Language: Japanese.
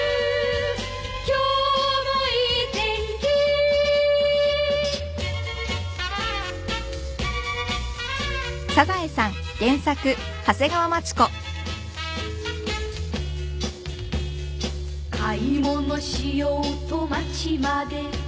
「今日もいい天気」「買い物しようと街まで」